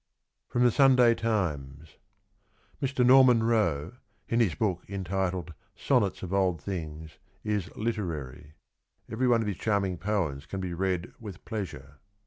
FROM THE SUNDAY TIMES. Mr. Norman Roe (in his book, entitled Sonnets of Old Things) is ... literary. Every one of his charming poems can be read with pleasure.